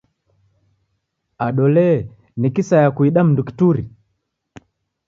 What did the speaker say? Ado lee, ni kisaya kuida mndu kituri?